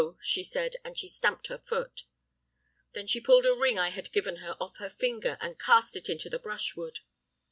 she said, and she stamped her foot. "Then she pulled a ring I had given her off her finger, and cast it into the brushwood.